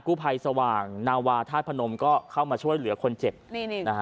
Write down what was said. กู้ภัยสว่างนาวาธาตุพนมก็เข้ามาช่วยเหลือคนเจ็บนี่นี่นะฮะ